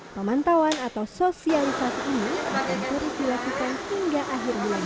pemantauan atau sosialisasi ini akan terus dilakukan hingga akhir bulan